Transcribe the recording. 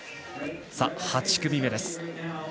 さあ、８組目です。